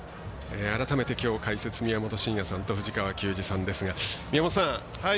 改めてきょう、解説宮本慎也さんと藤川球児さんですが、宮本さん